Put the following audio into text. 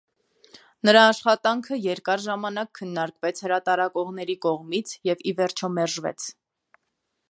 Նրա աշխատանքը երկար ժամանակ քննարկվեց հրատարակողների կողմից և ի վերջո մերժվեց։